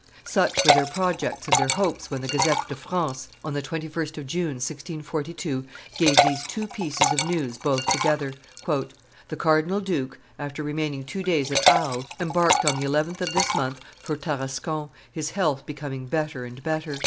Such were their projects and their hopes when the Gazette de France, on the 21st of June, 1642, gave these two pieces of news both together. "The cardinal duke, after remaining two days at Arles, embarked on the 11th of this month for Tarascon, his health becoming better and better.